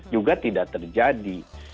juga tidak terjadi